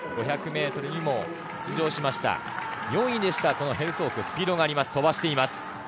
５００ｍにも出場しました４位でした、ヘルツォークスピードがあります。